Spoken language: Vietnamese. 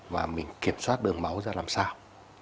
và mình kiểm soát đường máu ra làm sao